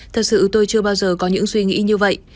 thật sự tôi chưa bao giờ có những suy nghĩ như vậy